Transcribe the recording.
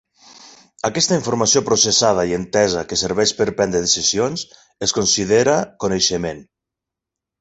Aquesta informació processada i entesa que serveix per prendre decisions es considera coneixement.